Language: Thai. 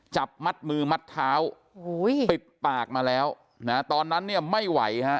จับมัดมือมัดเท้าปิดปากมาแล้วนะตอนนั้นเนี่ยไม่ไหวฮะ